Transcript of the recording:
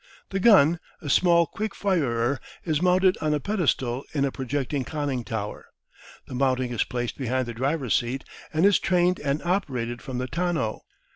The gun, a small quick firer, is mounted on a pedestal in a projecting conning tower. The mounting is placed behind the driver's seat, and is trained and operated from the tonneau.